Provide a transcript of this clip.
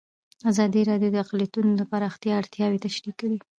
ازادي راډیو د اقلیتونه د پراختیا اړتیاوې تشریح کړي.